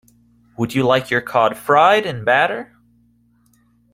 Would you like your cod fried in batter?